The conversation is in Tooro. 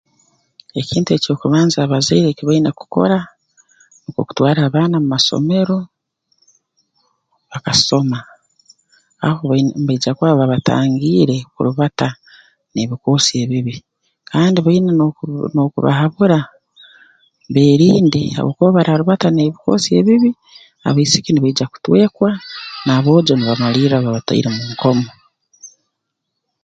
Ekintu eky'okubanza abazaire eki baine kukora nukwo kutwara abaana mu masomero bakasoma aho bai mbaija kuba babatangiire kurubata n'ebikoosi ebibi kandi baine n'okub n'okubahabura beerinde habwokuba obu baraarubata n'ebikoosi ebibi abaisiki nibaija kutwekwa n'aboojo nibamalirra babatwaire mu nkomo